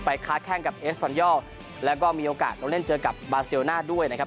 ค้าแข้งกับเอสฟันยอร์แล้วก็มีโอกาสลงเล่นเจอกับบาเซลน่าด้วยนะครับ